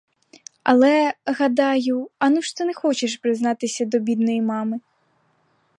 Але, гадаю, ану ж ти не схочеш признатися до бідної мами.